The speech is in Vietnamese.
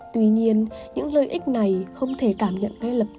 tuy nhiên những lợi ích này không thể cảm nhận